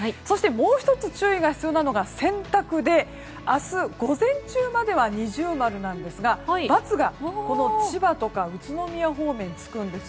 もう１つ注意が必要なのが洗濯で明日午前中までは二重丸なんですが×が千葉とか宇都宮方面につくんです。